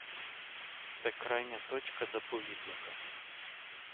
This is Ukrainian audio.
Це крайня точка заповідника.